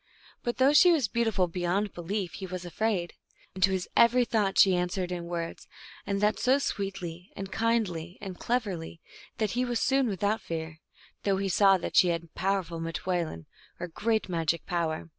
But though she was beautiful beyond belief, he was afraid. And to his every thought she an swered in words, and that so sweetly and kindly and cleverly that he was soon without fear, though he saw that she had powerful niteoulin, or great magic power.